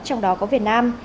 trong đó có việt nam